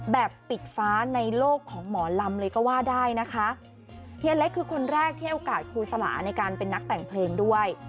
แบบปิดฟ้าในโลกของหมอลำเลยก็ว่าได้นะคะเฮียเล็กคือคนแรกที่ให้โอกาสครูสลาในการเป็นนักแต่งเพลงด้วย